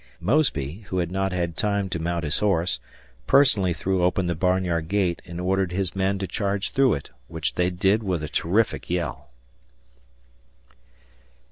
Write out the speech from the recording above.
Mosby, who had not had time to mount his horse, personally threw open the barnyard gate and ordered his men to charge through it, which they did with a terrific yell.